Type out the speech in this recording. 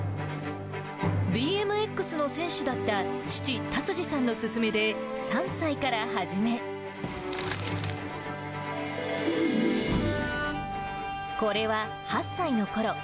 ＢＭＸの選手だった父、辰司さんの勧めで、３歳から始め、これは８歳のころ。